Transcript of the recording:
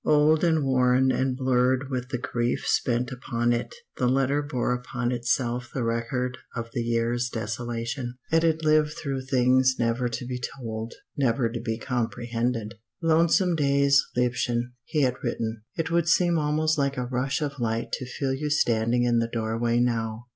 Old and worn and blurred with the grief spent upon it, the letter bore upon itself the record of the year's desolation. It had lived through things never to be told, never to be comprehended. "Lonesome days, liebchen," he had written. "It would seem almost like a rush of light to feel you standing in the doorway now.